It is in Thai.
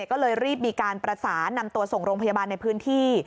ก็เลยรีบมีการประสานนำตัวส่งโรงพยาบาลในพื้นที่